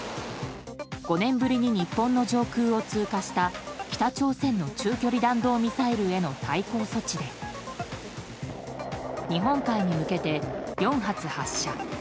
５年ぶりに日本の上空を通過した北朝鮮の中距離弾道ミサイルへの対抗措置で日本海に向けて４発発射。